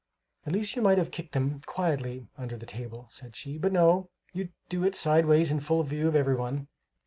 "At least you might have kicked them, quietly, under the table," said she; "but no, you do it sideways in full view of everyone!"